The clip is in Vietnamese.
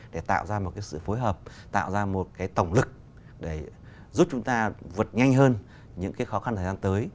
để tạo ra một cái sự phối hợp tạo ra một cái tổng lực để giúp chúng ta vượt nhanh hơn những cái khó khăn thời gian tới